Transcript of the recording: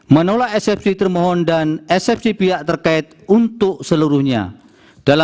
menolak sfc termohon dan sfc pihak terkait untuk seluruhnya